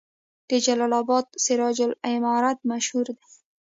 د جلال اباد سراج العمارت مشهور دی